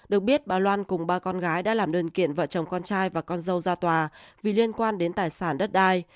được biết bà loan cùng ba con gái đã làm đơn kiện vợ chồng con trai và con dâu ra tòa vì liên quan đến tài sản đất đai